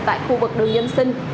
tại khu vực đường dân sinh